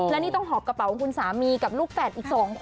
และนี่ต้องหอบกระเป๋าของคุณสามีกับลูกแฝดอีก๒คน